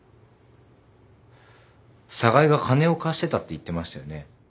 寒河江が金を貸してたって言ってましたよね。